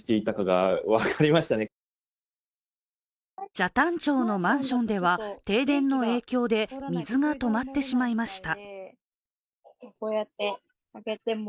北谷町のマンションでは停電の影響で、水が止まってしまいました。